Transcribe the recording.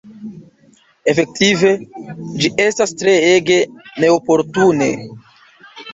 Efektive, ĝi estas treege neoportune!